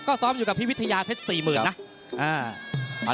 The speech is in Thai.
ก็ซ้อมอยู่กับภิพิธิาเพชร๔๐นะ